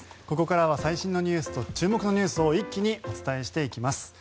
ここからは最新のニュースと注目のニュースを一気にお伝えしていきます。